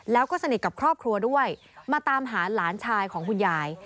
แล้วก็สนิทกับครอบครัวด้วยมาตามหาหลานชายของคุณยาย